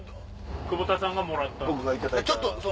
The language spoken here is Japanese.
久保田さんがもらって。